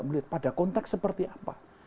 melihat pada konteks seperti apa